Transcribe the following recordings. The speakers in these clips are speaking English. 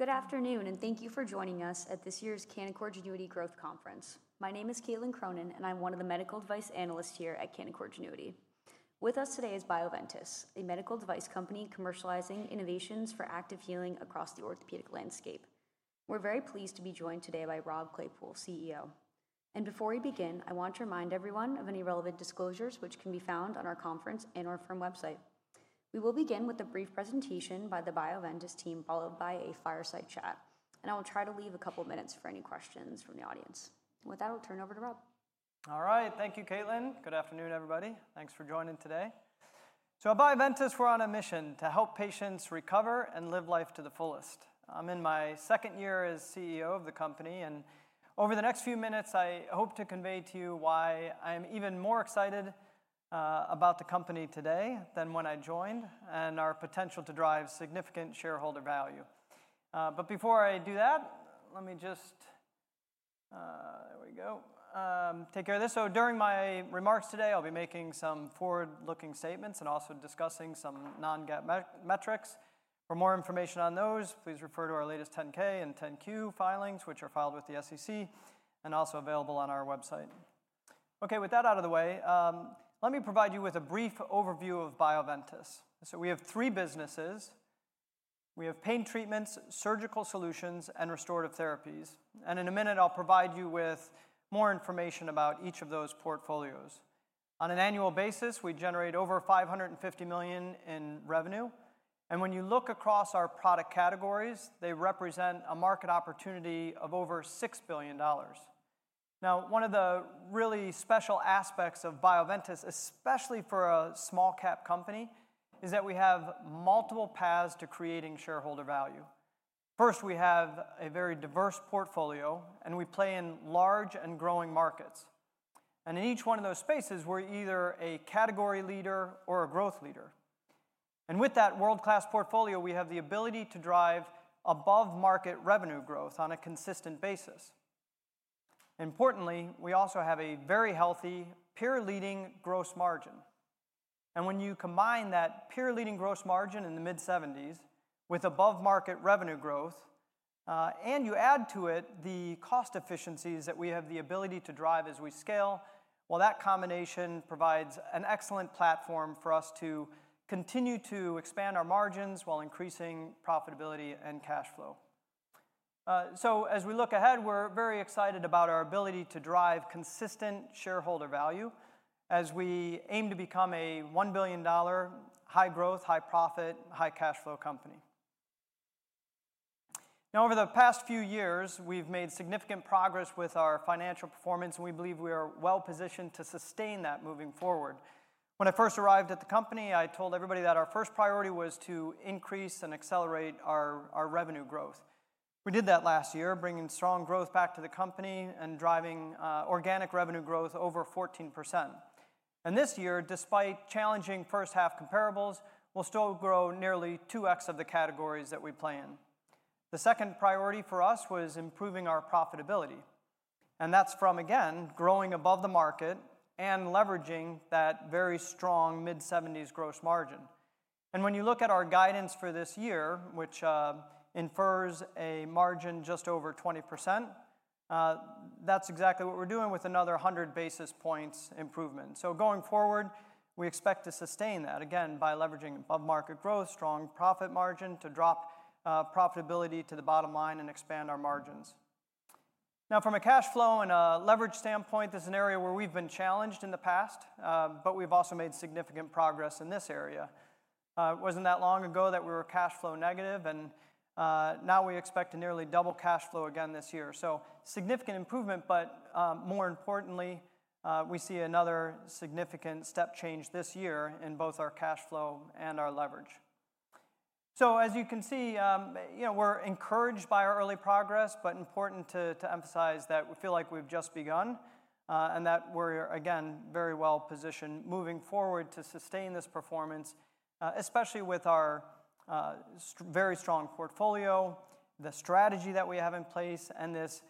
Good afternoon, and thank you for joining us at this year's Canaccord Genuity Growth Conference. My name is Caitlyn Cronin, and I'm one of the medical device analysts here at Canaccord Genuity. With us today is Bioventus, a medical device company commercializing innovations for active healing across the orthopedic landscape. We're very pleased to be joined today by Rob Claypoole, CEO. Before we begin, I want to remind everyone of any relevant disclosures, which can be found on our conference and our firm website. We will begin with a brief presentation by the Bioventus team, followed by a fireside chat, and I will try to leave a couple of minutes for any questions from the audience. With that, I'll turn it over to Rob. All right. Thank you, Caitlyn. Good afternoon, everybody. Thanks for joining today. At Bioventus, we're on a mission to help patients recover and live life to the fullest. I'm in my second year as CEO of the company, and over the next few minutes, I hope to convey to you why I'm even more excited about the company today than when I joined and our potential to drive significant shareholder value. Before I do that, let me just, there we go, take care of this. During my remarks today, I'll be making some forward-looking statements and also discussing some non-GAAP metrics. For more information on those, please refer to our latest 10-K and 10-Q filings, which are filed with the SEC and also available on our website. With that out of the way, let me provide you with a brief overview of Bioventus. We have three businesses. We have Pain Treatments, Surgical Solutions, and Restorative Therapies. In a minute, I'll provide you with more information about each of those portfolios. On an annual basis, we generate over $550 million in revenue. When you look across our product categories, they represent a market opportunity of over $6 billion. One of the really special aspects of Bioventus, especially for a small-cap company, is that we have multiple paths to creating shareholder value. First, we have a very diverse portfolio, and we play in large and growing markets. In each one of those spaces, we're either a category leader or a growth leader. With that world-class portfolio, we have the ability to drive above-market revenue growth on a consistent basis. Importantly, we also have a very healthy pure leading gross margin. When you combine that pure leading gross margin in the mid-70s with above-market revenue growth, and you add to it the cost efficiencies that we have the ability to drive as we scale, that combination provides an excellent platform for us to continue to expand our margins while increasing profitability and cash flow. As we look ahead, we're very excited about our ability to drive consistent shareholder value as we aim to become a $1 billion high growth, high profit, high cash flow company. Over the past few years, we've made significant progress with our financial performance, and we believe we are well positioned to sustain that moving forward. When I first arrived at the company, I told everybody that our first priority was to increase and accelerate our revenue growth. We did that last year, bringing strong growth back to the company and driving organic revenue growth over 14%. This year, despite challenging first half comparables, we'll still grow nearly 2x of the categories that we plan. The second priority for us was improving our profitability. That's from, again, growing above the market and leveraging that very strong mid-70s gross margin. When you look at our guidance for this year, which infers a margin just over 20%, that's exactly what we're doing with another 100 basis points improvement. Going forward, we expect to sustain that, again, by leveraging above-market growth, strong profit margin to drop profitability to the bottom line and expand our margins. Now, from a cash flow and a leverage standpoint, this is an area where we've been challenged in the past, but we've also made significant progress in this area. It wasn't that long ago that we were cash flow negative, and now we expect to nearly double cash flow again this year. Significant improvement, but more importantly, we see another significant step change this year in both our cash flow and our leverage. As you can see, we're encouraged by our early progress, but important to emphasize that we feel like we've just begun and that we're, again, very well positioned moving forward to sustain this performance, especially with our very strong portfolio, the strategy that we have in place, and this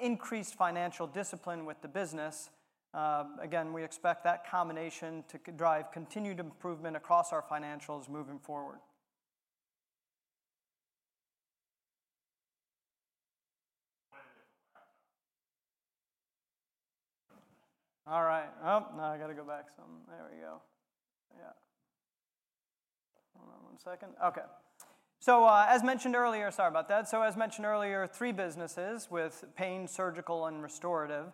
increased financial discipline with the business. We expect that combination to drive continued improvement across our financials moving forward. All right. Now I got to go back some. There we go. Hold on one second. Okay. As mentioned earlier, sorry about that. As mentioned earlier, three businesses with pain, surgical, and restorative.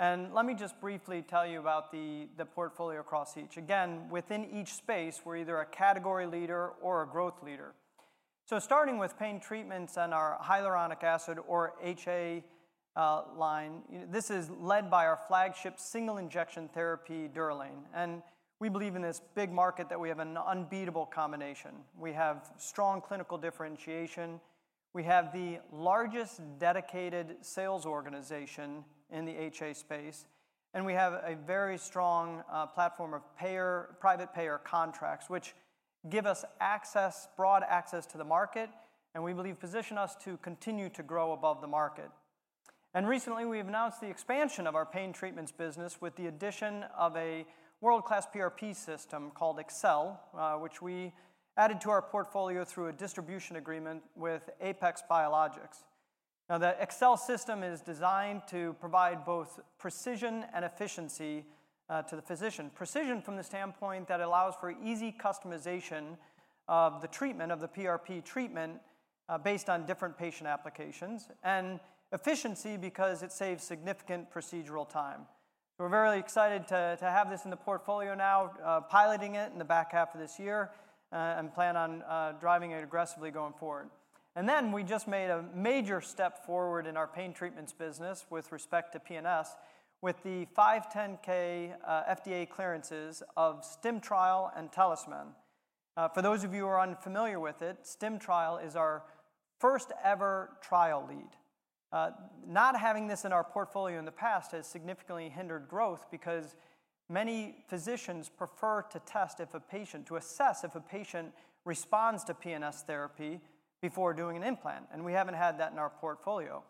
Let me just briefly tell you about the portfolio across each. Within each space, we're either a category leader or a growth leader. Starting with pain treatments and our hyaluronic acid or HA line, this is led by our flagship single injection therapy, DUROLANE. We believe in this big market that we have an unbeatable combination. We have strong clinical differentiation. We have the largest dedicated sales organization in the HA space. We have a very strong platform of private payer contracts, which give us broad access to the market. We believe position us to continue to grow above the market. Recently, we've announced the expansion of our pain treatments business with the addition of a world-class PRP system called XCELLL, which we added to our portfolio through a distribution agreement with APEX Biologix. The XCELLL system is designed to provide both precision and efficiency to the physician. Precision from the standpoint that allows for easy customization of the PRP treatment based on different patient applications, and efficiency because it saves significant procedural time. We're very excited to have this in the portfolio now, piloting it in the back half of this year, and plan on driving it aggressively going forward. We just made a major step forward in our pain treatments business with respect to PNS with the 510(k) FDA clearances of StimTrial and TalisMannn. For those of you who are unfamiliar with it, StimTrial is our first ever trial lead. Not having this in our portfolio in the past has significantly hindered growth because many physicians prefer to test if a patient, to assess if a patient responds to PNS therapy before doing an implant. We haven't had that in our portfolio.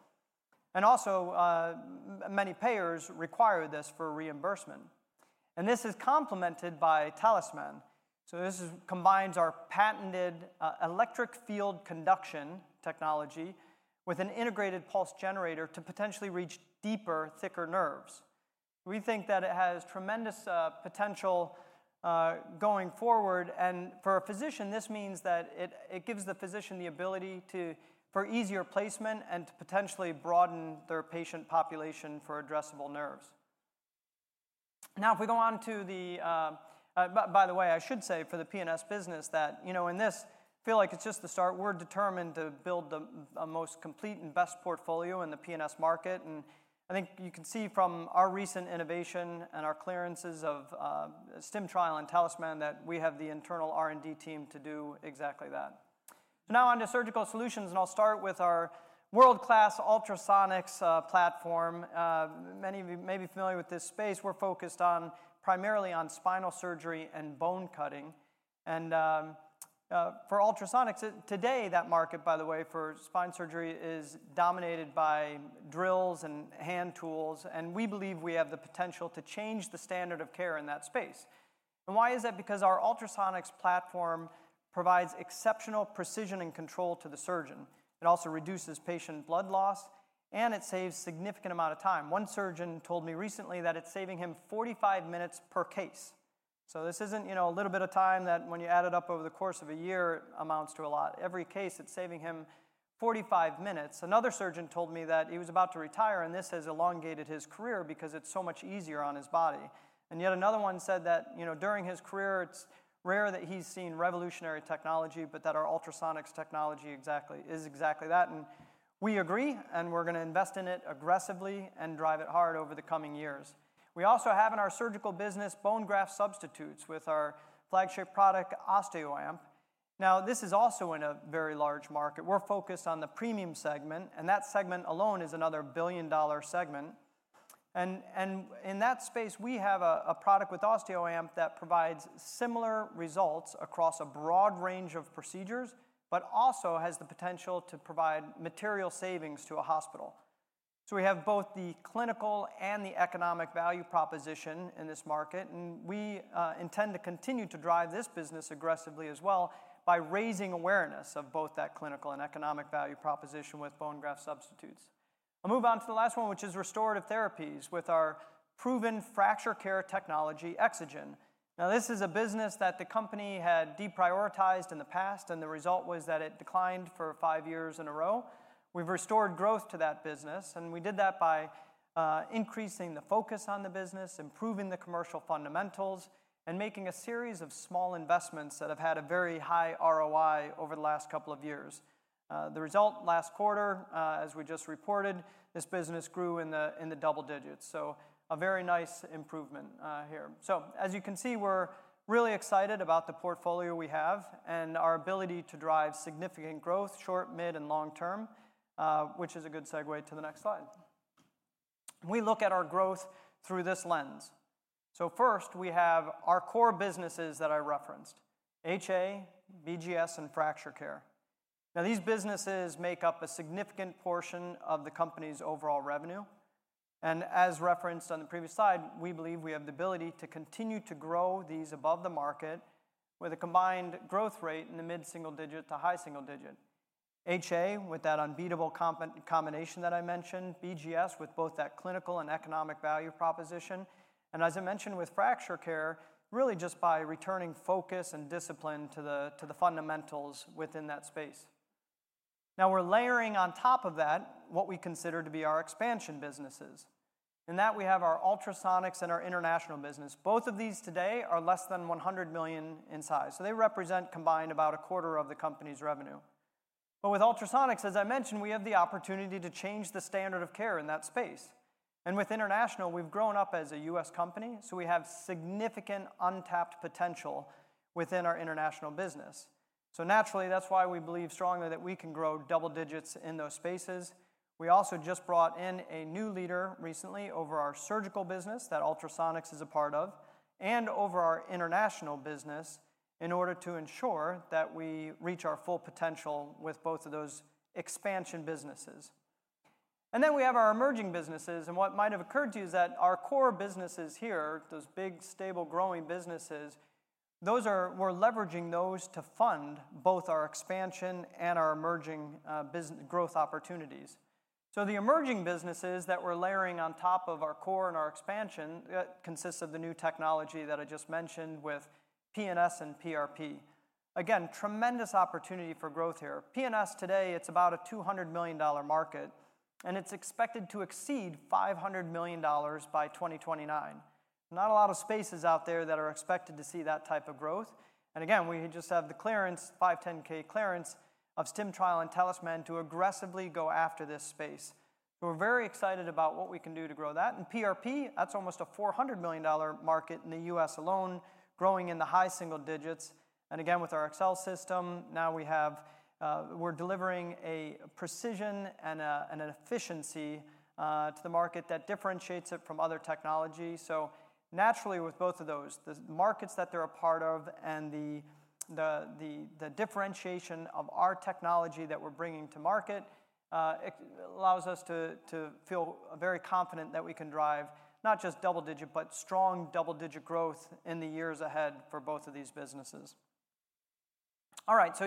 Also, many payers require this for reimbursement. This is complemented by TalisMann. This combines our patented electric field conduction technology with an integrated pulse generator to potentially reach deeper, thicker nerves. We think that it has tremendous potential going forward. For a physician, this means that it gives the physician the ability for easier placement and to potentially broaden their patient population for addressable nerves. For the PNS business, I should say that in this, I feel like it's just the start. We're determined to build the most complete and best portfolio in the PNS market. I think you can see from our recent innovation and our clearances of StimTrial and TalisMann that we have the internal R&D team to do exactly that. Now on to Surgical Solutions, and I'll start with our world-class ultrasonics platform. Many of you may be familiar with this space. We're focused primarily on spinal surgery and bone cutting. For ultrasonics today, that market for spine surgery is dominated by drills and hand tools. We believe we have the potential to change the standard of care in that space. Our ultrasonics platform provides exceptional precision and control to the surgeon. It also reduces patient blood loss, and it saves a significant amount of time. One surgeon told me recently that it's saving him 45 minutes per case. This isn't a little bit of time that when you add it up over the course of a year, amounts to a lot. Every case, it's saving him 45 minutes. Another surgeon told me that he was about to retire, and this has elongated his career because it's so much easier on his body. Yet another one said that during his career, it's rare that he's seen revolutionary technology, but that our ultrasonics technology is exactly that. We agree, and we're going to invest in it aggressively and drive it hard over the coming years. We also have in our surgical business bone graft substitutes with our flagship product, OSTEOAMP. This is also in a very large market. We're focused on the premium segment, and that segment alone is another billion dollar segment. In that space, we have a product with OSTEOAMP that provides similar results across a broad range of procedures, but also has the potential to provide material savings to a hospital. We have both the clinical and the economic value proposition in this market, and we intend to continue to drive this business aggressively as well by raising awareness of both that clinical and economic value proposition with bone graft substitutes. I'll move on to the last one, which is restorative therapies with our proven fracture care technology, EXOGEN. This is a business that the company had deprioritized in the past, and the result was that it declined for five years in a row. We've restored growth to that business, and we did that by increasing the focus on the business, improving the commercial fundamentals, and making a series of small investments that have had a very high ROI over the last couple of years. The result last quarter, as we just reported, this business grew in the double digits. A very nice improvement here. As you can see, we're really excited about the portfolio we have and our ability to drive significant growth short, mid, and long term, which is a good segue to the next slide. We look at our growth through this lens. First, we have our core businesses that I referenced, HA, BGS, and Fracture Care. These businesses make up a significant portion of the company's overall revenue. As referenced on the previous slide, we believe we have the ability to continue to grow these above the market with a combined growth rate in the mid-single digit to high single digit. HA, with that unbeatable combination that I mentioned, BGS, with both that clinical and economic value proposition, and as I mentioned with Fracture Care, really just by returning focus and discipline to the fundamentals within that space. Now, we're layering on top of that what we consider to be our expansion businesses. In that, we have our ultrasonics and our international business. Both of these today are less than $100 million in size. They represent combined about a quarter of the company's revenue. With ultrasonics, as I mentioned, we have the opportunity to change the standard of care in that space. With international, we've grown up as a U.S. company, so we have significant untapped potential within our international business. Naturally, that's why we believe strongly that we can grow double digits in those spaces. We also just brought in a new leader recently over our Surgical Solutions business that ultrasonics is a part of and over our international business in order to ensure that we reach our full potential with both of those expansion businesses. We have our emerging businesses. What might have occurred to you is that our core businesses here, those big, stable, growing businesses, we're leveraging those to fund both our expansion and our emerging growth opportunities. The emerging businesses that we're layering on top of our core and our expansion consist of the new technology that I just mentioned with PNS and PRP. Again, tremendous opportunity for growth here. PNS today, it's about a $200 million market, and it's expected to exceed $500 million by 2029. Not a lot of spaces out there that are expected to see that type of growth. We just have the 510(k) clearance of StimTrial and TalisMann to aggressively go after this space. We're very excited about what we can do to grow that. PRP, that's almost a $400 million market in the U.S. alone, growing in the high single digits. Again, with our XCELLL system, now we have, we're delivering a precision and an efficiency to the market that differentiates it from other technologies. Naturally, with both of those, the markets that they're a part of and the differentiation of our technology that we're bringing to market allows us to feel very confident that we can drive not just double digit, but strong double digit growth in the years ahead for both of these businesses.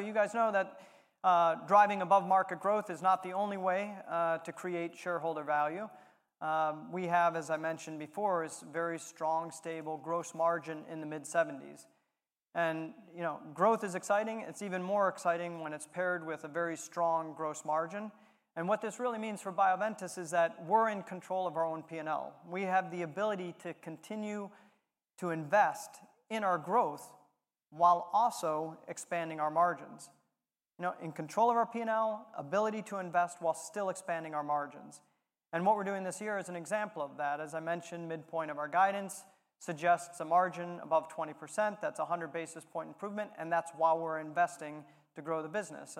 You guys know that driving above market growth is not the only way to create shareholder value. We have, as I mentioned before, a very strong, stable gross margin in the mid-70s. Growth is exciting. It's even more exciting when it's paired with a very strong gross margin. What this really means for Bioventus is that we're in control of our own P&L. We have the ability to continue to invest in our growth while also expanding our margins. In control of our P&L, ability to invest while still expanding our margins. What we're doing this year is an example of that. As I mentioned, midpoint of our guidance suggests a margin above 20%. That's a 100 basis point improvement. That's why we're investing to grow the business.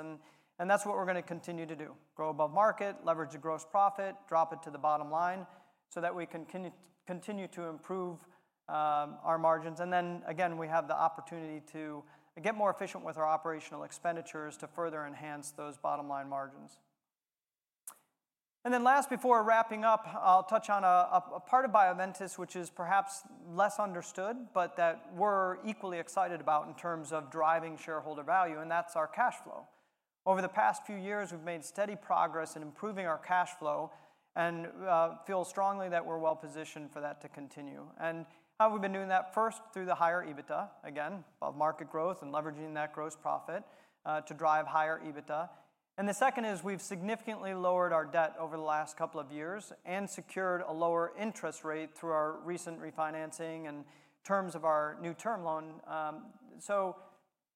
That's what we're going to continue to do. Grow above market, leverage the gross profit, drop it to the bottom line so that we can continue to improve our margins. We have the opportunity to get more efficient with our operational expenditures to further enhance those bottom line margins. Last, before wrapping up, I'll touch on a part of Bioventus, which is perhaps less understood, but that we're equally excited about in terms of driving shareholder value, and that's our cash flow. Over the past few years, we've made steady progress in improving our cash flow and feel strongly that we're well positioned for that to continue. How we've been doing that, first through the higher EBITDA, again, above market growth and leveraging that gross profit to drive higher EBITDA. The second is we've significantly lowered our debt over the last couple of years and secured a lower interest rate through our recent refinancing and terms of our new term loan.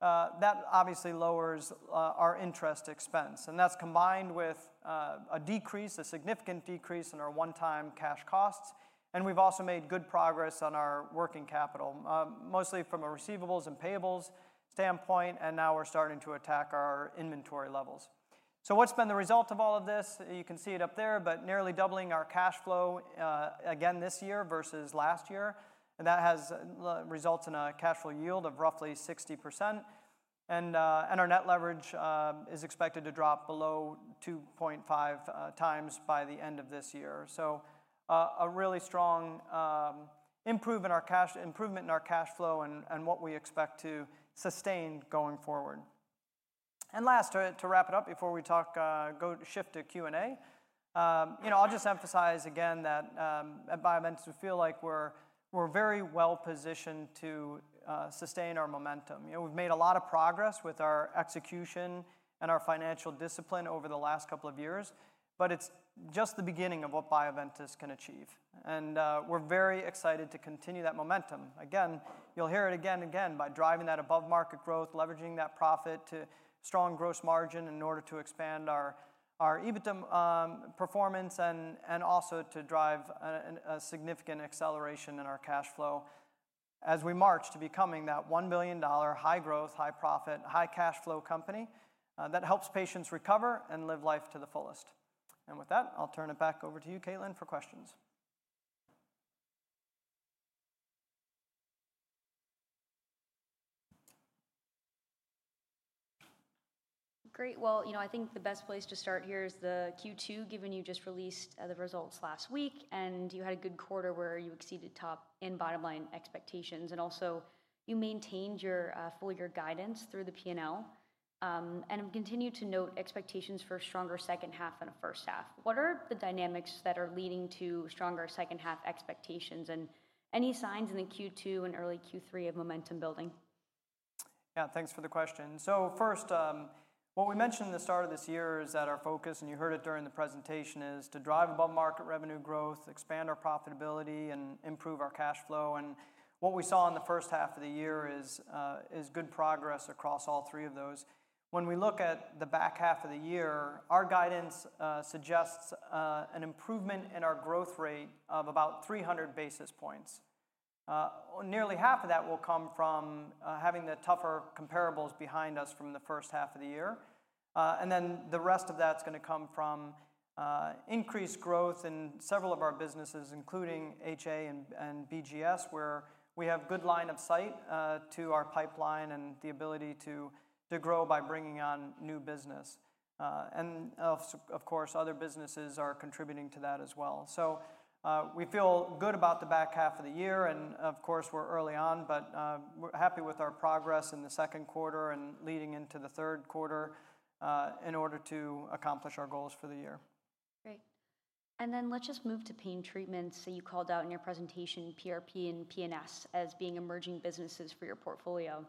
That obviously lowers our interest expense. That's combined with a decrease, a significant decrease in our one-time cash costs. We've also made good progress on our working capital, mostly from a receivables and payables standpoint. Now we're starting to attack our inventory levels. What's been the result of all of this? You can see it up there, but nearly doubling our cash flow again this year versus last year. That results in a cash flow yield of roughly 60%. Our net leverage is expected to drop below 2.5x by the end of this year. A really strong improvement in our cash flow and what we expect to sustain going forward. Last, to wrap it up before we shift to Q&A, I'll just emphasize again that at Bioventus, we feel like we're very well positioned to sustain our momentum. We've made a lot of progress with our execution and our financial discipline over the last couple of years, but it's just the beginning of what Bioventus can achieve. We're very excited to continue that momentum. You'll hear it again and again by driving that above market growth, leveraging that profit to strong gross margin in order to expand our EBITDA performance and also to drive a significant acceleration in our cash flow as we march to becoming that $1 billion high growth, high profit, high cash flow company that helps patients recover and live life to the fullest. With that, I'll turn it back over to you, Caitlyn, for questions. Great. I think the best place to start here is the Q2, given you just released the results last week. You had a good quarter where you exceeded top and bottom line expectations. You also maintained your full-year guidance through the P&L and continue to note expectations for a stronger second half than a first half. What are the dynamics that are leading to stronger second half expectations and any signs in the Q2 and early Q3 of momentum building? Yeah, thanks for the question. What we mentioned at the start of this year is that our focus, and you heard it during the presentation, is to drive above market revenue growth, expand our profitability, and improve our cash flow. What we saw in the first half of the year is good progress across all three of those. When we look at the back half of the year, our guidance suggests an improvement in our growth rate of about 300 basis points. Nearly half of that will come from having the tougher comparables behind us from the first half of the year. The rest of that's going to come from increased growth in several of our businesses, including HA and BGS, where we have good line of sight to our pipeline and the ability to grow by bringing on new business. Other businesses are contributing to that as well. We feel good about the back half of the year. We're early on, but we're happy with our progress in the second quarter and leading into the third quarter in order to accomplish our goals for the year. Great. Let's just move to pain treatments. You called out in your presentation PRP and PNS as being emerging businesses for your portfolio.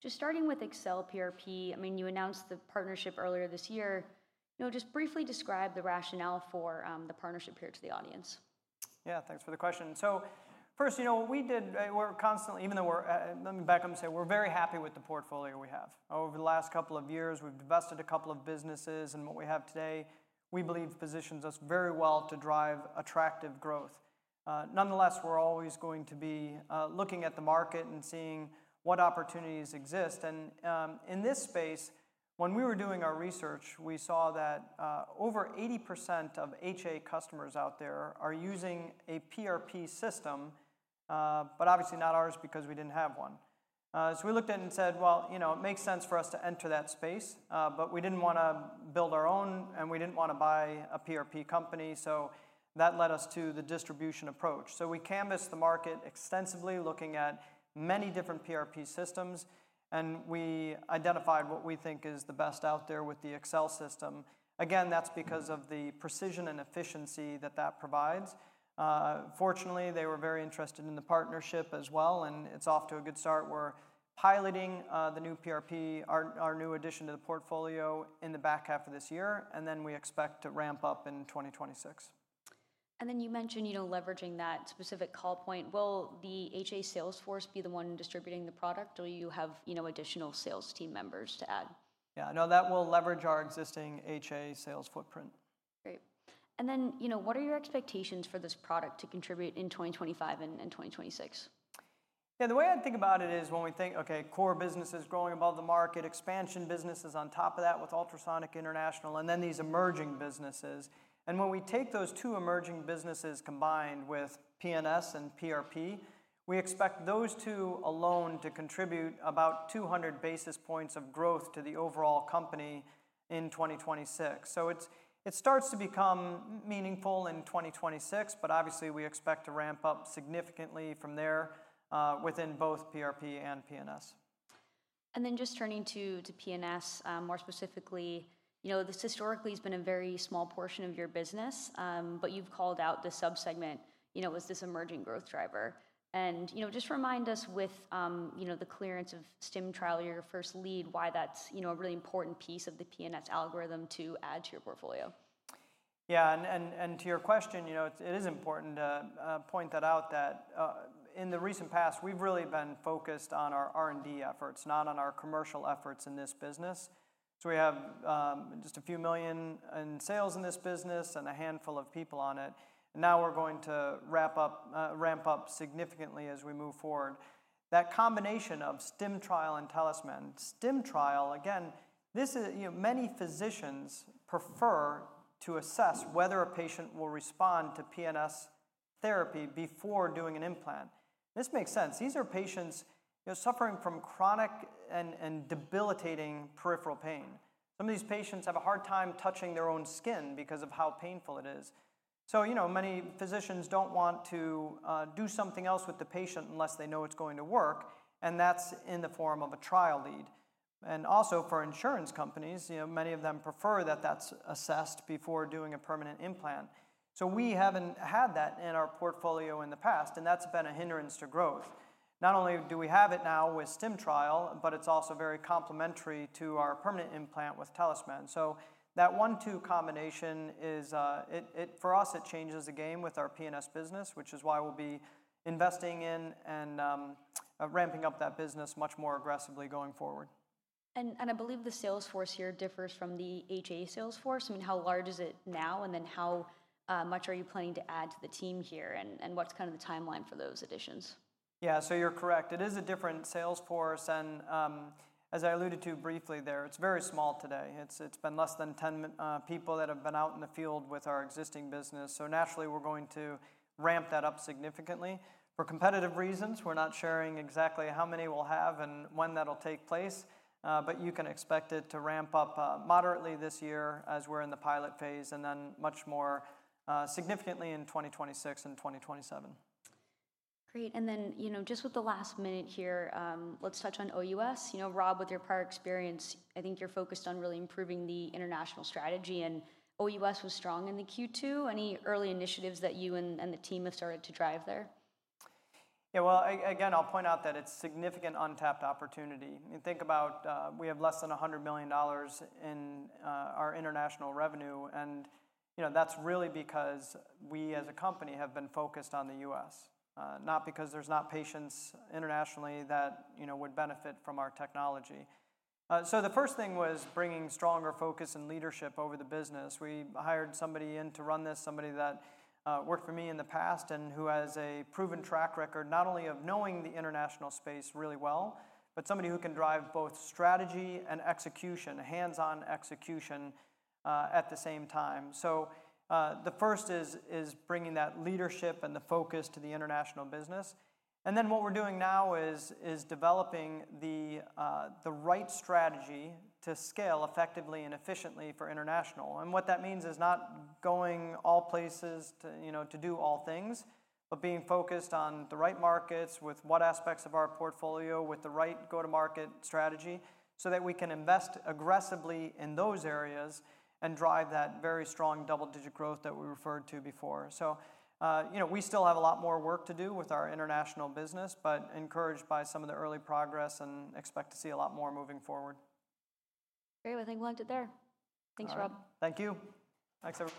Just starting with XCELL PRP, you announced the partnership earlier this year. Briefly describe the rationale for the partnership here to the audience. Yeah, thanks for the question. First, what we did, we're constantly, even though we're, let me back up and say, we're very happy with the portfolio we have. Over the last couple of years, we've invested in a couple of businesses, and what we have today, we believe positions us very well to drive attractive growth. Nonetheless, we're always going to be looking at the market and seeing what opportunities exist. In this space, when we were doing our research, we saw that over 80% of HA customers out there are using a PRP system, but obviously not ours because we didn't have one. We looked at it and said, you know, it makes sense for us to enter that space, but we didn't want to build our own, and we didn't want to buy a PRP company. That led us to the distribution approach. We canvassed the market extensively, looking at many different PRP systems, and we identified what we think is the best out there with the XCELL PRP system. Again, that's because of the precision and efficiency that that provides. Fortunately, they were very interested in the partnership as well, and it's off to a good start. We're piloting the new PRP, our new addition to the portfolio in the back half of this year, and we expect to ramp up in 2026. You mentioned leveraging that specific call point. Will the HA sales force be the one distributing the product, or do you have additional sales team members to add? Yeah, no, that will leverage our existing HA sales footprint. Great. What are your expectations for this product to contribute in 2025 and 2026? Yeah, the way I think about it is when we think, okay, core businesses growing above the market, expansion businesses on top of that with Ultrasonic International, and then these emerging businesses. When we take those two emerging businesses combined with PNS and PRP, we expect those two alone to contribute about 200 basis points of growth to the overall company in 2026. It starts to become meaningful in 2026, but obviously we expect to ramp up significantly from there within both PRP and PNS. Turning to PNS more specifically, this historically has been a very small portion of your business, but you've called out the subsegment as this emerging growth driver. Just remind us with the clearance of StimTrial, your first lead, why that's a really important piece of the PNS algorithm to add to your portfolio. Yeah, and to your question, it is important to point that out that in the recent past, we've really been focused on our R&D efforts, not on our commercial efforts in this business. We have just a few million in sales in this business and a handful of people on it. Now we're going to ramp up significantly as we move forward. That combination of StimTrial and TalisMann. StimTrial, again, this is, you know, many physicians prefer to assess whether a patient will respond to PNS therapy before doing an implant. This makes sense. These are patients suffering from chronic and debilitating peripheral pain. Some of these patients have a hard time touching their own skin because of how painful it is. Many physicians don't want to do something else with the patient unless they know it's going to work, and that's in the form of a trial lead. Also, for insurance companies, many of them prefer that that's assessed before doing a permanent implant. We haven't had that in our portfolio in the past, and that's been a hindrance to growth. Not only do we have it now with StimTrial, but it's also very complementary to our permanent implant with TalisMann. That one-two combination is, for us, it changes the game with our PNS business, which is why we'll be investing in and ramping up that business much more aggressively going forward. I believe the sales force here differs from the HA sales force. How large is it now, and how much are you planning to add to the team here, and what's kind of the timeline for those additions? Yeah, so you're correct. It is a different sales force, and as I alluded to briefly there, it's very small today. It's been less than 10 people that have been out in the field with our existing business. Naturally, we're going to ramp that up significantly. For competitive reasons, we're not sharing exactly how many we'll have and when that'll take place, but you can expect it to ramp up moderately this year as we're in the pilot phase, and then much more significantly in 2026 and 2027. Great. With the last minute here, let's touch on O.U.S. Rob, with your prior experience, I think you're focused on really improving the international strategy, and O.U.S. was strong in Q2. Any early initiatives that you and the team have started to drive there? Yeah, again, I'll point out that it's a significant untapped opportunity. You think about, we have less than $100 million in our international revenue, and that's really because we as a company have been focused on the U.S., not because there's not patients internationally that would benefit from our technology. The first thing was bringing stronger focus and leadership over the business. We hired somebody in to run this, somebody that worked for me in the past and who has a proven track record not only of knowing the international space really well, but somebody who can drive both strategy and execution, hands-on execution at the same time. The first is bringing that leadership and the focus to the international business. What we're doing now is developing the right strategy to scale effectively and efficiently for international. What that means is not going all places to do all things, but being focused on the right markets with what aspects of our portfolio with the right go-to-market strategy so that we can invest aggressively in those areas and drive that very strong double-digit growth that we referred to before. We still have a lot more work to do with our international business, but encouraged by some of the early progress and expect to see a lot more moving forward. Great. I think we'll end it there. Thanks, Rob. Thank you. Thanks, everyone.